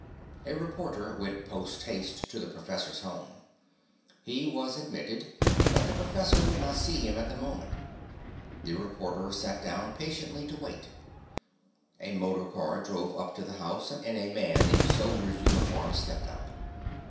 A reporter went post haste to the professor's home. He was admitted, but the professor would not see him at the moment. The reporter sat down patiently to wait. A motor car drove up to the house and a man in soldier's uniform stepped out.